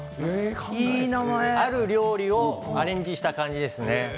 ある料理をアレンジした感じですね。